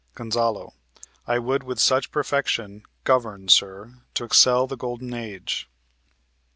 Gon. I would with such perfection govern, sir, To 'xcel the golden age.